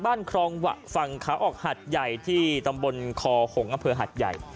ครองหวะฝั่งขาออกหัดใหญ่ที่ตำบลคอหงษ์อำเภอหัดใหญ่